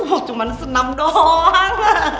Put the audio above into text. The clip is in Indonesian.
wah cuma senam doang